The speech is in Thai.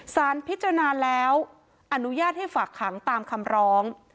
สารพิจารณาแล้วอนุญาตให้ฝากขังตามคำร้อง